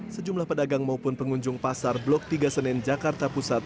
sejumlah pedagang maupun pengunjung pasar blok tiga senen jakarta pusat